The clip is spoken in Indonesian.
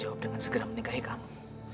aku akan menangis dengan menikahi kamu